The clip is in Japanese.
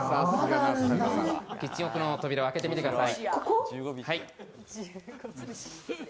キッチン奥の扉を開けてみてください。